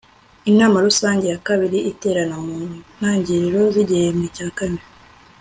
inama rusange ya kabiri iterana mu ntangiriro z'igihembwe cya kane